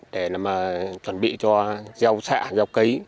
để mà chuẩn bị cho gieo xạ gieo cấy